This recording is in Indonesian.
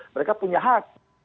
mereka punya hak